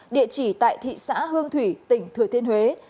địa chỉ tại thị xã hương thủy tỉnh thừa thiên huế